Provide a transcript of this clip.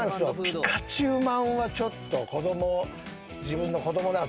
ピカチュウまんはちょっと子供。